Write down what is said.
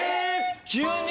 急に！？